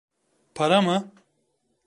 Para mı?